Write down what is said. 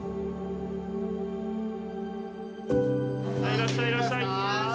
いらっしゃいいらっしゃい！